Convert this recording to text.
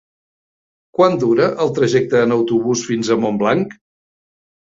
Quant dura el trajecte en autobús fins a Montblanc?